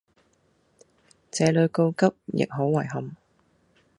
這裡告急亦都好遺憾